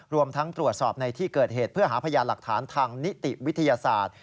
รวมทั้งตรวจสอบในที่เกิดเหตุเพื่อหาพยานหลักฐานทางนิติวิทยาศาสตร์